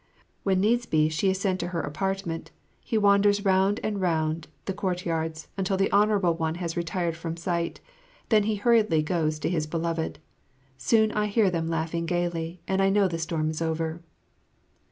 When needs be she is sent to her apartment, he wanders round and round the courtyards until the Honourable One has retired from sight, then he hurriedly goes to his beloved. Soon I hear them laughing gaily, and know the storm is over.